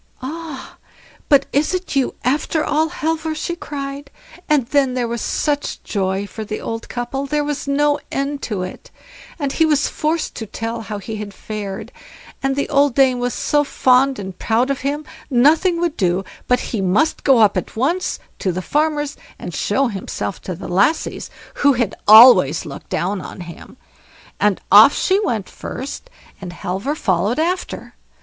"Ah! but is it you after all, Halvor?" she cried; and then there was such joy for the old couple, there was no end to it; and he was forced to tell how he had fared, and the old dame was so fond and proud of him, nothing would do but he must go up at once to the farmer's, and show himself to the lassies, who had always looked down on him. And off she went first, and Halvor followed after.